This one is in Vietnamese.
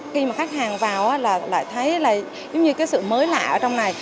khi mà khách hàng vào là lại thấy là giống như cái sự mới lạ ở trong này